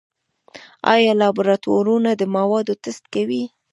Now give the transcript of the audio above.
آیا لابراتوارونه د موادو ټسټ کوي؟